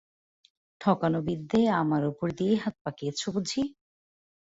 ঠকানো বিদ্যেয় আমার উপর দিয়েই হাত পাকিয়েছ বুঝি?